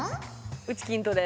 うち筋トレ。